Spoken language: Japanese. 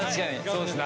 そうっすね。